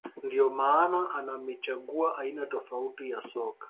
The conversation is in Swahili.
ndiyo maana anamechagua aina tofauti ya soka